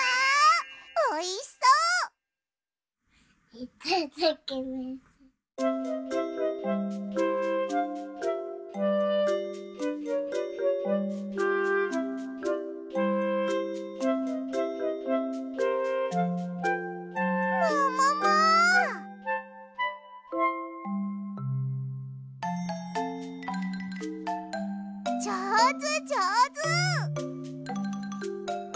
じょうずじょうず！